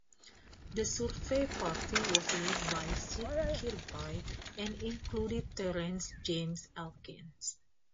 The survey party was led by Syd Kirkby, and included Terence James Elkins.